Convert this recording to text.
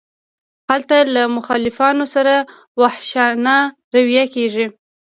هلته له مخالفانو سره وحشیانه رویه کیږي.